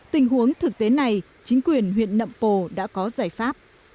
tình huống thực tế này chính quyền huyện nậm pồ đã có giải pháp